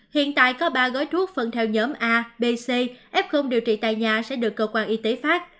hiện tại có ba gói thuốc phân theo nhóm a b c f điều trị tại nhà sẽ được cơ quan y tế phát